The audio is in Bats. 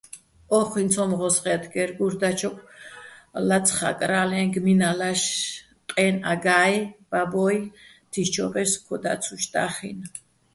ოჴუჲნი ცომ ღოსხე́თერ, გურ დაჩოკ ლაწხაკრა́ლე, გმინალაშ, ყეჲნი აგა́ჲ, ბაბო́ჲ, თიშჩო́ღეშ ქოდა́ცუშ და́ხინი̆.